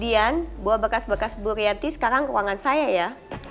dian buah bekas bekas burianti sekarang ke ruangan saya ya